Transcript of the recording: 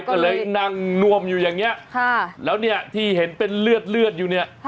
ก็เลยนั่งนวมอยู่อย่างนี้แล้วเนี่ยที่เห็นเป็นเลือดเลือดอยู่เนี่ย